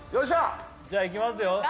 じゃあいきますよ。